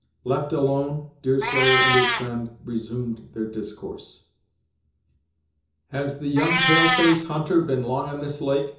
Left alone, Deerslayer and his friend resumed their discourse. "Has the young pale face hunter been long on this lake?"